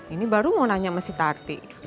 ini baru mau nanya sama si tati